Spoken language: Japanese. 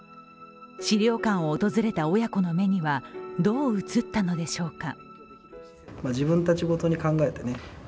資料館を訪れた親子の目にはどう映ったのでしょうか。